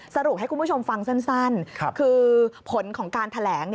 สรุปให้คุณผู้ชมฟังสั้นคือผลของการแถลง